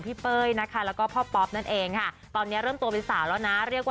พัฒนาการน่ารักมาก